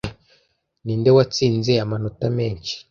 Ninde watsinze amanota menshi?